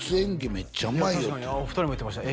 めっちゃうまいよってお二人も言ってました